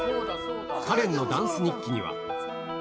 カレンのダンス日記には。